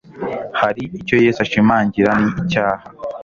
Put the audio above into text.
hano icyo yesu ashimangira ni icyaha